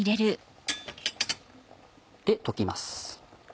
溶きます。